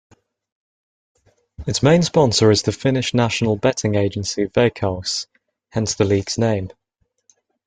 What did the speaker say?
Its main sponsor is the Finnish national betting agency Veikkaus, hence the league's name.